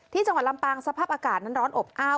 จังหวัดลำปางสภาพอากาศนั้นร้อนอบอ้าว